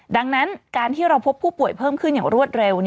ดังนั้นการที่เราพบผู้ป่วยเพิ่มขึ้นอย่างรวดเร็ว